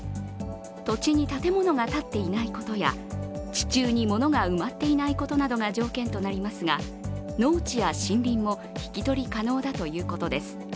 土地に建物が建っていないことや地中に物が埋まっていないことなどが条件となりますが農地や森林も引き取り可能だということです。